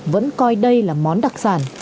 vẫn coi đây là món đặc sản